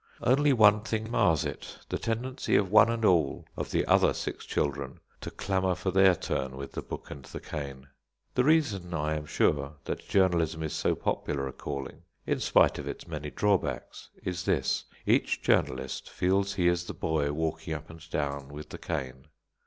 Only one thing mars it: the tendency of one and all of the other six children to clamour for their turn with the book and the cane. The reason, I am sure, that journalism is so popular a calling, in spite of its many drawbacks, is this: each journalist feels he is the boy walking up and down with the cane.